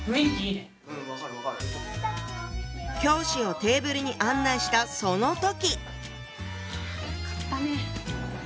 教師をテーブルに案内したその時！